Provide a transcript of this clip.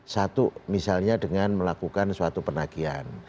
satu misalnya dengan melakukan suatu penagihan